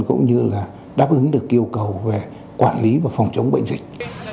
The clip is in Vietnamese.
cũng như là đáp ứng được yêu cầu về quản lý và phòng chống bệnh dịch